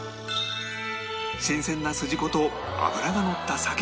新鮮なすじこと脂がのったさけ